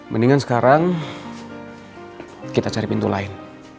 mendingan sekarang kita cari pintu lain